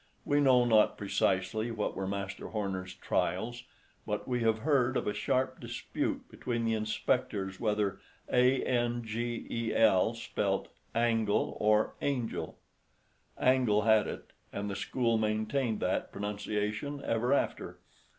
We know not precisely what were Master Horner's trials; but we have heard of a sharp dispute between the inspectors whether a n g e l spelt angle or angel. Angle had it, and the school maintained that pronunciation ever after.